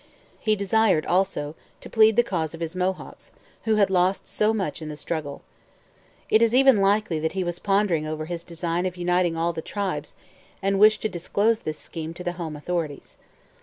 He desired, also, to plead the cause of his Mohawks, who had lost so much in the struggle. It is even likely that he was pondering over his design of uniting all the tribes and wished to disclose this scheme to the home authorities.